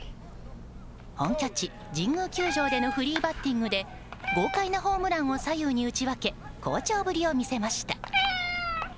本拠地、神宮球場でのフリーバッティングで豪快なホームランを左右に打ち分け好調ぶりを見せました。